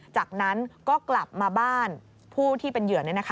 จากนั้นก็กลับมาบ้านผู้ที่เป็นเหยื่อ